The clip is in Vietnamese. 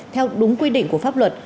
theo đúng quy định của pháp luật